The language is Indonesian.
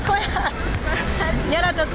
sangat keras sangat keras